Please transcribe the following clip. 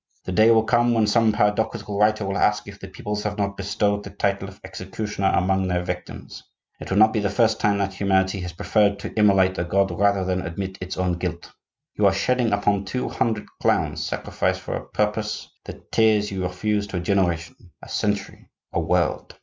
The day will come when some paradoxical writer will ask if the peoples have not bestowed the title of executioner among their victims. It will not be the first time that humanity has preferred to immolate a god rather than admit its own guilt. You are shedding upon two hundred clowns, sacrificed for a purpose, the tears you refuse to a generation, a century, a world!